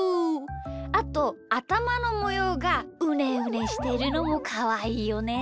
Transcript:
あとあたまのもようがうねうねしてるのもかわいいよね。